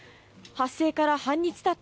発生から半日たった